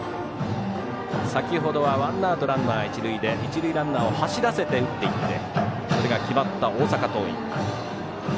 先ほどはワンアウトランナー、一塁で一塁ランナーを走らせて打っていってそれが決まった大阪桐蔭。